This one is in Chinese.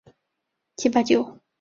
它共有六种自然产生的同位素。